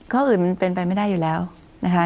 ข้ออื่นมันเป็นไปไม่ได้อยู่แล้วนะคะ